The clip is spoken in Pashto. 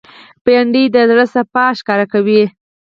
بېنډۍ د زړه صفا ښکاروي